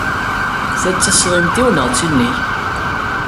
Ta d tasɣimt-iw neɣ d tin-ik?